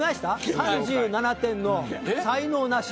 ３７点の才能ナシ。